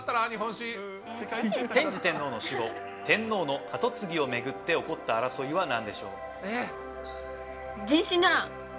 天智天皇の死後、天皇の後継ぎを巡って起こった争いはなんでしょう？